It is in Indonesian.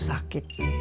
sampai jumpa lagi